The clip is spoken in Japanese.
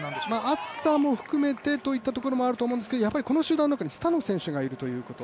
暑さも含めてといったところもあると思うんですけどやはりこの集団の中にスタノ選手がいるということ。